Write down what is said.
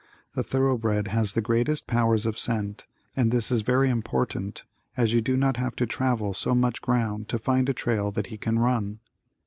The thoroughbred has the greatest powers of scent and this is very important as you do not have to travel so much ground to find a trail that he can run.